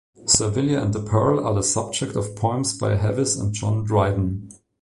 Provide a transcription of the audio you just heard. Servilia and the pearl are the subject of poems by Hafiz and John Dryden.